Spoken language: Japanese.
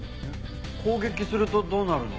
攻撃するとどうなるの？